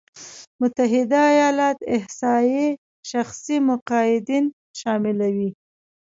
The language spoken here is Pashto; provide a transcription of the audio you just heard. متحده ایالات احصایې شخصي مقاعدين شاملوي.